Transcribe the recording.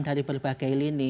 dari berbagai lini